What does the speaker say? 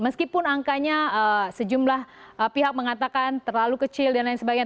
meskipun angkanya sejumlah pihak mengatakan terlalu kecil dan lain sebagainya